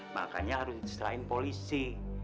makanya harus selain polisi